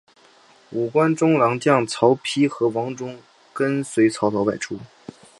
五官中郎将曹丕和王忠跟随曹操外出。